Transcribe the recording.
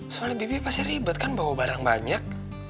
soalnya bibi pasti ribet kan bawa barang banyak